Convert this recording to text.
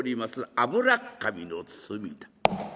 油っ紙の包みだ。